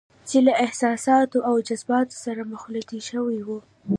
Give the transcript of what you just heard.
چې له احساساتو او جذباتو سره مخلوطې شوې وي.